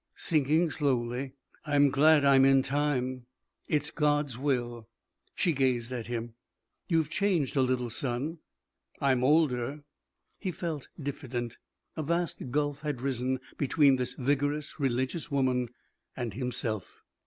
"Sinking slowly." "I'm glad I'm in time." "It's God's will." She gazed at him. "You've changed a little, son." "I'm older." He felt diffident. A vast gulf had risen between this vigorous, religious woman and himself.